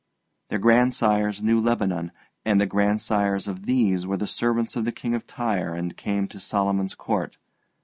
Their grandsires knew Lebanon, and the grandsires of these were the servants of the King of Tyre and came to Solomon's court.